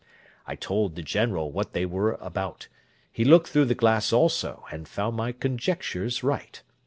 I told the General what they were about; he looked through the glass also, and found my conjectures right.